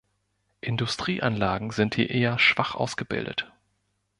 Industrieanlagen sind hier eher schwach ausgebildet.